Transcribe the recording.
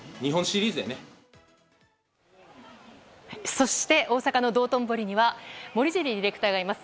そして大阪の道頓堀には森尻ディレクターがいます。